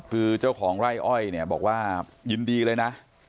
คือเจ้าของไร่อ้อยเนี่ยบอกว่ายินดีเลยนะ